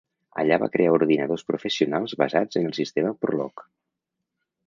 Allà va crear ordinadors professionals basats en el sistema Prologue.